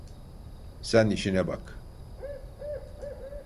Sen işine bak.